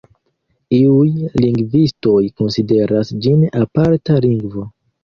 Iuj lingvistoj konsideras ĝin aparta lingvo.